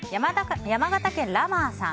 山形県の方。